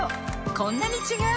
こんなに違う！